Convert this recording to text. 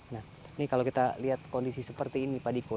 nah ini kalau kita lihat kondisi seperti ini pak diko